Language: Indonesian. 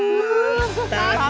main stun nya berapa